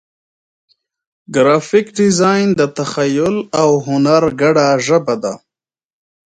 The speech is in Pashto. ګرافیک ډیزاین د تخیل او هنر ګډه ژبه ده.